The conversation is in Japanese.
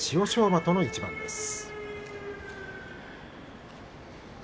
馬との一番です。